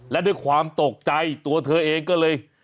และด้วยความตกใจตัวเธอเองก็เลย